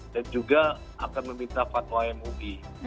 dan juga akan meminta fatwa mub